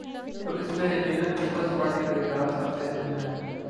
تو اس میں یقینا پیپلزپارٹی کا کردار سب سے اہم ہے۔